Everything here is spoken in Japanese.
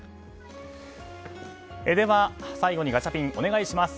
では、最後にガチャピンお願いします。